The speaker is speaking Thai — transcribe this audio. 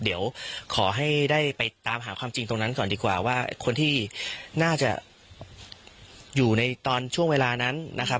เดี๋ยวขอให้ได้ไปตามหาความจริงตรงนั้นก่อนดีกว่าว่าคนที่น่าจะอยู่ในตอนช่วงเวลานั้นนะครับ